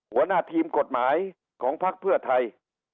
หัวหน้าทีมกฎหมายของภักดิ์เพื่อไทย